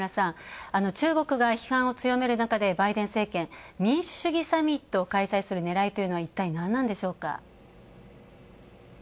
中国が批判を強める中で、バイデン政権民主主義サミットを開催するねらいというのは、一体、何なんでしょうか？